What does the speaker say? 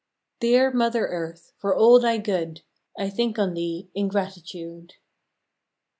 Dear Mother Earth, for all thy good I think on thee in gratitude.